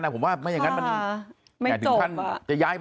นับสังคมไปก็โอเคกันแล้ว